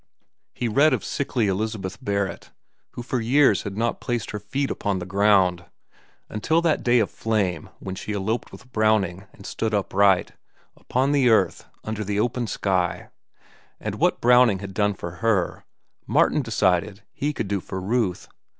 He read of sickly Elizabeth Barrett, who for years had not placed her feet upon the ground, until that day of flame when she eloped with Browning and stood upright, upon the earth, under the open sky; and what Browning had done for her, Martin decided he could do for Ruth.